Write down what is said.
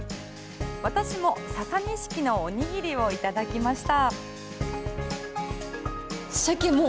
私もササニシキのおにぎりをいただきました。